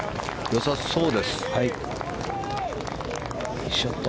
良さそうです。